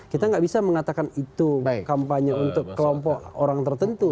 kita nggak bisa mengatakan itu kampanye untuk kelompok orang tertentu